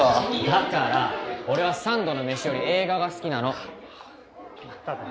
だから俺は三度の飯より映画が好きなの。